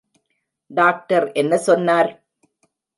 Doctor என்ன சொன்னார்?